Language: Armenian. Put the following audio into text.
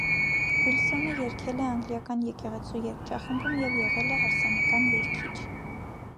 Վիլսոնը երգել է անգլիական եկեղեցու երգչախմբում և եղել է հարսանեկան երգիչ։